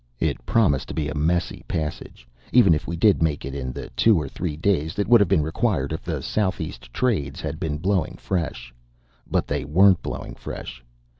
It promised to be a messy passage, even if we did make it in the two or three days that would have been required if the southeast trades had been blowing fresh. But they weren't blowing fresh.